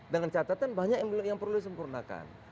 dengan catatan banyak yang perlu disempurnakan